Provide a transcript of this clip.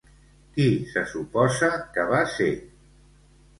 Qui se suposa que va ser?